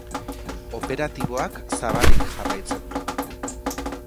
Operatiboak zabalik jarraitzen du.